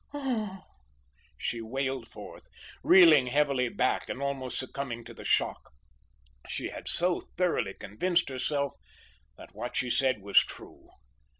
"Oh!" she wailed forth, reeling heavily back and almost succumbing to the shock, she had so thoroughly convinced herself that what she said was true.